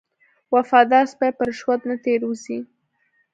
وفادار سپی په رشوت نه تیر وځي.